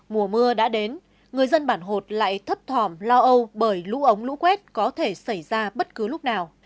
mùa mưa đã đến người dân bản hột lại thấp thỏm lo âu bởi lũ ống lũ quét có thể xảy ra bất cứ lúc nào